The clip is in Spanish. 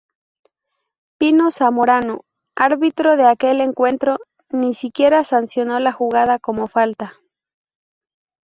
Pino Zamorano, árbitro de aquel encuentro, ni siquiera sancionó la jugada como falta.